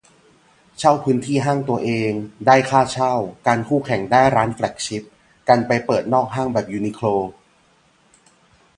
เช่าพื้นที่ห้างตัวเอง ได้ค่าเช่า กันคู่แข่งได้ร้านแฟลกชิป กันไปเปิดนอกห้างแบบยูนิโคล